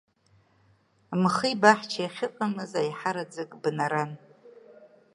Мхи баҳчеи ахьыҟамыз аиҳараӡак бнаран.